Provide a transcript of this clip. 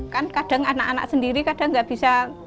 kan kadang anak anak sendiri kadang nggak bisa